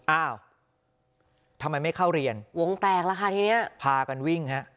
อ้าวทำไมไม่เข้าเรียนวงแตกละค่ะทีนี้พากันวิ่งฮะ